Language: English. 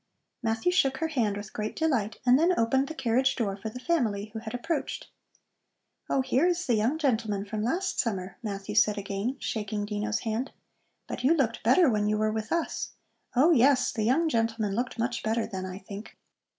Matthew shook her hand with great delight and then opened the carriage door for the family who had approached. "Oh, here is the young gentleman from last summer," Matthew said again, shaking Dino's hand. "But you looked better when you were with us. Oh, yes, the young gentleman looked much better then, I think."